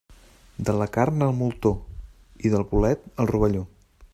De la carn, el moltó, i del bolet el rovelló.